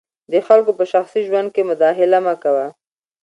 د خلګو په شخصي ژوند کي مداخله مه کوه.